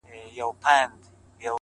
o هم دي د سرو سونډو په سر كي جـادو؛